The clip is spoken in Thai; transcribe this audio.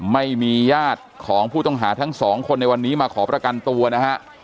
ไม่มีญาติของผู้ต้องหาทั้งสองคนในวันนี้มาขอประกันตัวนะฮะ